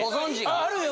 あるよ。